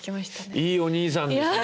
いいお兄さんですね。